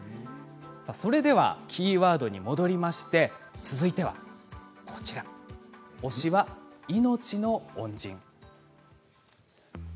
それではキーワードに戻りまして続いては、こちら推しは命の恩人。